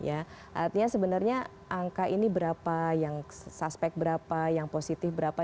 artinya sebenarnya angka ini berapa yang suspek berapa yang positif berapa